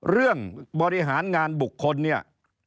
บริหารงานบุคคลเนี่ย